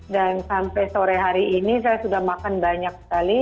dan sampai sore hari ini saya sudah makan banyak sekali